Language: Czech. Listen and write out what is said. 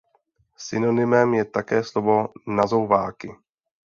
Synonymem je také slovo „nazouváky“.